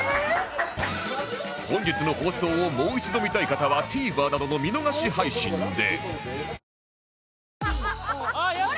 本日の放送をもう一度見たい方は ＴＶｅｒ などの見逃し配信で